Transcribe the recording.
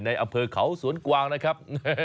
อำเภอเขาสวนกวางนะครับ